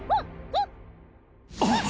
あっ！